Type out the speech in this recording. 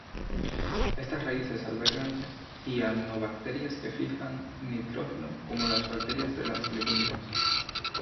Estas raíces albergan cianobacterias que fijan nitrógeno, como las bacterias de las legumbres.